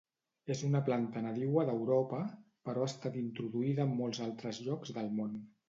És una planta nadiua d'Europa però ha estat introduïda en molts altres llocs del món.